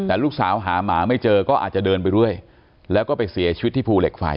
แต่ลูกสาวหาหมาไม่เจอก็อาจจะเดินไปเรื่อยแล้วก็ไปเสียชีวิตที่ภูเหล็กไฟ